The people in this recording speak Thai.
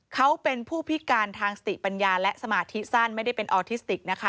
เขาเป็นผู้พิการทางสติปัญญาและสมาธิสั้นไม่ได้เป็นออทิสติกนะคะ